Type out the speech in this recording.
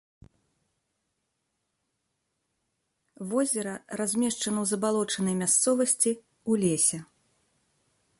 Возера размешчана ў забалочанай мясцовасці ў лесе.